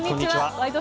「ワイド！